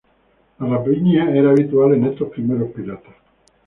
La rapiña era habitual en estos primeros piratas.